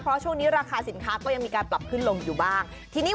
เพราะช่วงนี้ราคาสินค้าก็ยังมีการปรับขึ้นลงอยู่บ้างทีนี้